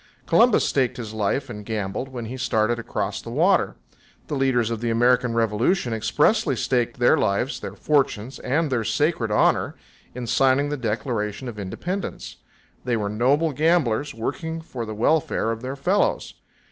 Columbus staked his life and gambled, when he started across the water. The leaders of the American Revolution expressly staked their lives, their fortunes and their "sacred honor" in signing the Declaration of Independence. They were noble gamblers, working for the welfare of their fellows.